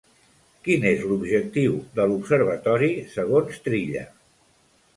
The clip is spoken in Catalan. Quin és l'objectiu de l'observatori segons Trilla?